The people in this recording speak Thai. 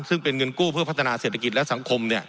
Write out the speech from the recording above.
ซึ่งเป็นเงินกู้เพื่อพัฒนาเศรษฐกิจและสังคม